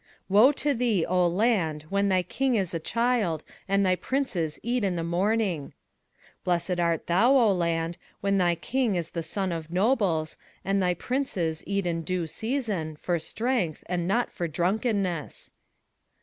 21:010:016 Woe to thee, O land, when thy king is a child, and thy princes eat in the morning! 21:010:017 Blessed art thou, O land, when thy king is the son of nobles, and thy princes eat in due season, for strength, and not for drunkenness!